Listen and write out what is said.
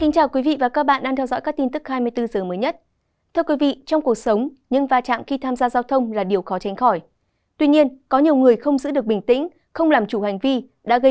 các bạn hãy đăng ký kênh để ủng hộ kênh của chúng mình nhé